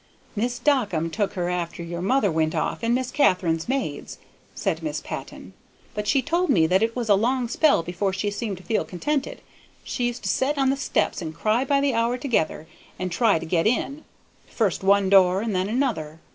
"Mis' Dockum took her after your mother went off, and Miss Katharine's maids," said Mrs. Patton; "but she told me that it was a long spell before she seemed to feel contented. She used to set on the steps and cry by the hour together, and try to get in, to first one door and then another.